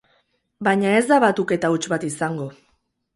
Baina ez da batuketa huts bat izango.